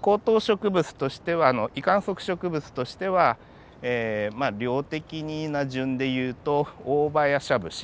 高等植物としては維管束植物としてはまあ量的に順でいうとオオバヤシャブシ。